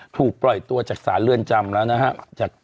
ถูกปล่อยตัวจากศาลเรือนจำแล้วนะครับ